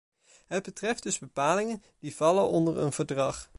Het betreft dus bepalingen die vallen onder een verdrag.